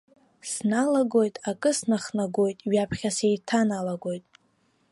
Сналагоит, акы снахнагоит, ҩаԥхьа сеиҭаналагоит.